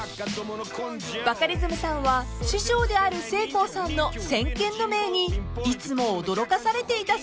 ［バカリズムさんは師匠であるせいこうさんの先見の明にいつも驚かされていたそうです］